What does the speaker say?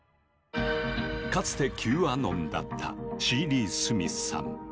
かつてＱアノンだったシーリー・スミスさん。